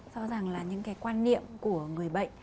do rằng là những cái quan niệm của người bệnh